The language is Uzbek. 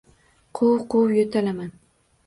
Quv-quv yo‘talaman.